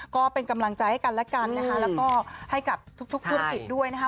ก็เป็นกำลังใจให้กันและกันนะคะแล้วก็ให้กับทุกธุรกิจด้วยนะคะ